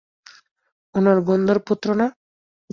উনার গুণধর পুত্র না?